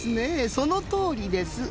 そのとおりです。